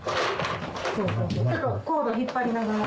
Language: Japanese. そうそうコード引っ張りながら。